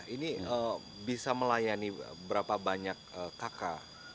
ini bisa melayani berapa banyak kakak